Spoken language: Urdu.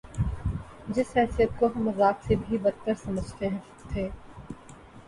جس حیثیت کو ہم مذاق سے بھی بد تر سمجھتے تھے۔